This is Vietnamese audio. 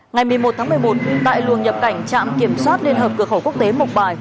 ngày một mươi một tháng một mươi một tại luồng nhập cảnh trạm kiểm soát liên hợp cửa khẩu quốc tế mộc bài